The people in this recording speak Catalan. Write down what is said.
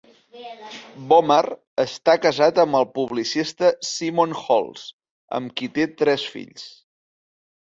Bomer està casat amb el publicista Simon Halls, amb qui té tres fills.